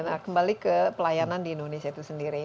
nah kembali ke pelayanan di indonesia itu sendiri